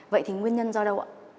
vậy thì nguyên nhân do đâu ạ